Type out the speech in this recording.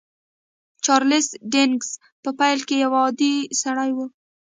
چارليس ډيکنز په پيل کې يو عادي سړی و.